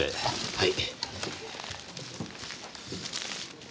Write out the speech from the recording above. はい？